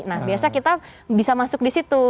nah biasa kita bisa masuk di situ